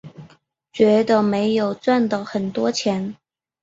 觉得没有赚到很多钱